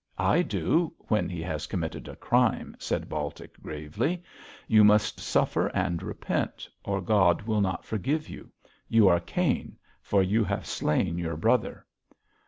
'I do when he has committed a crime,' said Baltic, gravely. 'You must suffer and repent, or God will not forgive you. You are Cain, for you have slain your brother.'